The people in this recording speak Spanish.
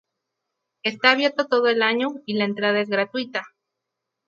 Está abierto todo el año y la entrada es gratuita.